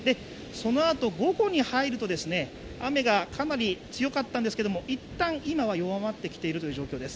そのあと午後に入ると、雨がかなり強かったんですけれども、いったん今は弱まってきているという状況です。